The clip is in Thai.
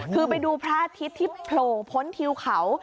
คือไปดูพระอาทิตย์ที่โผล่พ้นทิวเขา